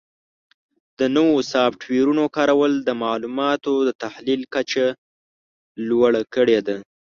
د نوو سافټویرونو کارول د معلوماتو د تحلیل کچه لوړه کړې ده.